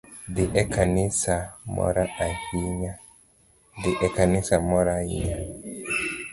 Dhi e kanisa mora ahinya